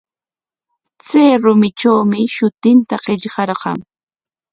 Chay rumitrawmi shutinta qillqarqan.